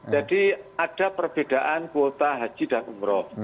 jadi ada perbedaan kuota haji dan umroh